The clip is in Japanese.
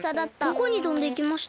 どこにとんでいきました？